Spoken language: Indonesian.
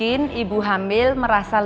ini juga mampu meredakan nyeri otot panggul